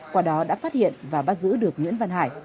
qua đó đã phát hiện và bắt giữ được nguyễn văn hải